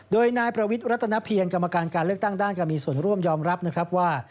โดยนายประวิทย์รัฐนเพียรกรรมการการเลือกตั้งด้านการมีส่วนร่วมยอมรับนะครับว่า